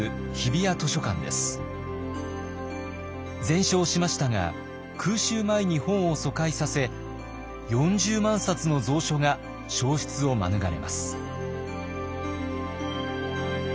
全焼しましたが空襲前に本を疎開させ４０万冊の蔵書が焼失を免れます。